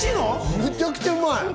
めちゃくちゃうまい。